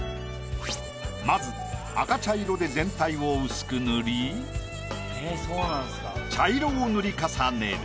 まず赤茶色で全体を薄く塗り茶色を塗り重ねる。